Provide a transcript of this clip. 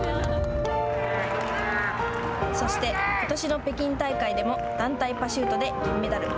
そして、ことしの北京大会でも団体パシュートで銀メダル。